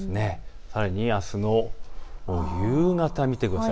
さらにあすの夕方、見てください。